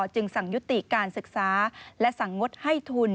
จึงสั่งยุติการศึกษาและสั่งงดให้ทุน